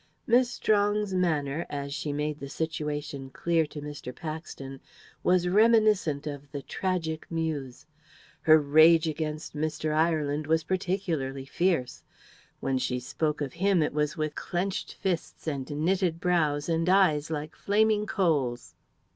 Miss Strong's manner, as she made the situation clear to Mr. Paxton, was reminiscent of the Tragic Muse. Her rage against Mr. Ireland was particularly fierce. When she spoke of him it was with clenched fists and knitted brows and eyes like flaming coals.